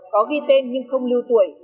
có ghi tên nhưng không lưu tuổi